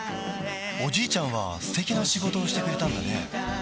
おじいちゃんは素敵な仕事をしてくれたんだね